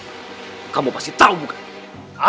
terim solamente duwillnya